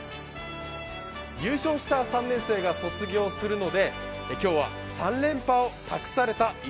優勝した３年生が卒業するので今日は３連覇を託された